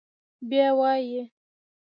بيا وايي: